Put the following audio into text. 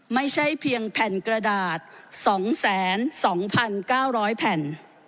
ไม่ใช่เพียงแผ่นกระดาษ๒๒๙๐๐แผ่น